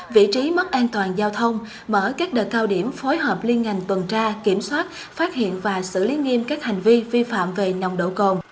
vị trí mất an toàn giao thông mở các đợt cao điểm phối hợp liên ngành tuần tra kiểm soát phát hiện và xử lý nghiêm các hành vi vi phạm về nồng độ cồn